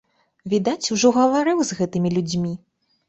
Відаць, ужо гаварыў з гэтымі людзьмі.